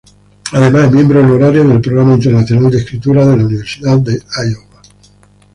Además es Miembro Honorario del Programa Internacional de Escritura de la Universidad de Iowa.